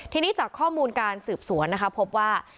ทีนี้จากข้อมูลการสืบสวนนะคะพบว่า